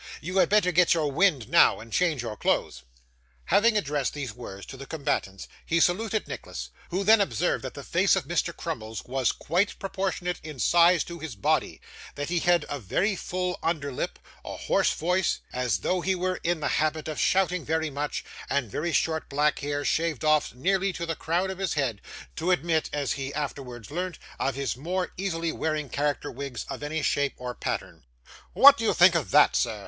'You had better get your wind now and change your clothes.' Having addressed these words to the combatants, he saluted Nicholas, who then observed that the face of Mr. Crummles was quite proportionate in size to his body; that he had a very full under lip, a hoarse voice, as though he were in the habit of shouting very much, and very short black hair, shaved off nearly to the crown of his head to admit (as he afterwards learnt) of his more easily wearing character wigs of any shape or pattern. 'What did you think of that, sir?